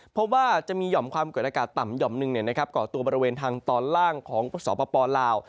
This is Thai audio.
เพราะว่าจะมีห่อมความกดอากาศต่ำหย่อมหนึ่งก่อตัวบริเวณทางตอนล่างของสปลาว